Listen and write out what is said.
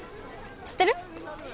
知ってる？